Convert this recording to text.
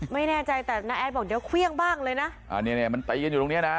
ไม่แน่ใจแต่น้าแอดบอกเดี๋ยวเครื่องบ้างเลยนะอ่าเนี้ยเนี้ยมันตีกันอยู่ตรงเนี้ยนะ